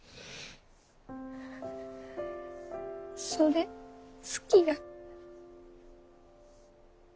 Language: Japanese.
それ好きや。